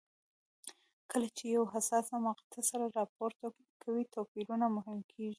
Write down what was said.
کله چې یوه حساسه مقطعه سر راپورته کوي توپیرونه مهم کېږي.